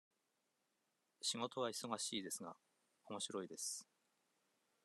仕事は忙しいですが、おもしろいです。